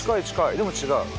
でも違う。